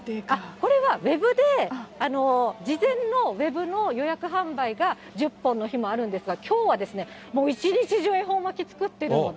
これはウェブで、事前のウェブの予約販売が１０本の日もあるんですが、きょうはもう一日中恵方巻き作ってるので。